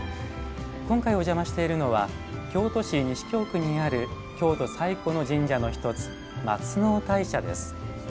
今回、お邪魔しているのは京都市西京区にある京都最古の神社の１つ松尾大社です。